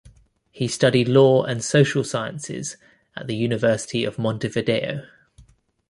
He studied Law and Social Sciences at the University of Montevideo.